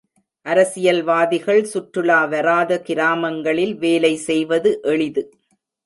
அரசியல்வாதிகள் சுற்றுலா வராத கிராமங்களில் வேலை செய்வது எளிது.